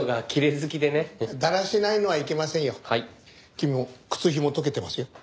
君も靴ひも解けてますよ。